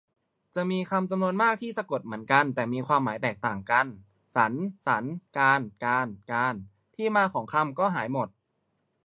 จะมีคำจำนวนมากที่สะกดเหมือนกันแต่มีความหมายที่แตกต่างกัน สรร สัน การ กาน กาญจน์ ที่มาของคำก็หายหมด